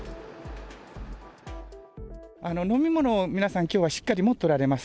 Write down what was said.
飲み物を、皆さんきょうはしっかり持っておられます。